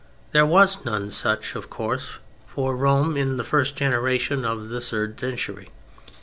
There was none such, of course, for Rome in the first generation of the third century.